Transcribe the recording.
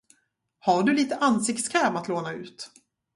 Har du lite ansiktskräm att låna ut?